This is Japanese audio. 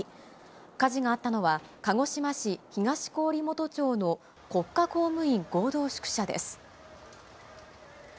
火事があったのは、鹿児島市東郡元町の国家公務員合同宿舎です。